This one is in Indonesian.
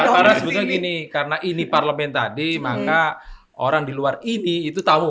karena sebetulnya gini karena ini parlemen tadi maka orang di luar ini itu tamu